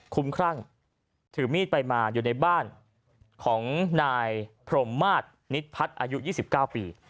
คุ้มครั่งถือมีดไปมาอยู่ในบ้านของนายพรหมาสนิดพัดอายุยี่สิบเก้าปี